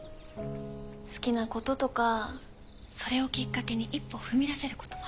好きなこととかそれをきっかけに一歩踏み出せることもあります。